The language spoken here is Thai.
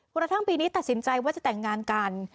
กระทั่งปีนี้ตัดสินใจว่าจะแต่งงานกัน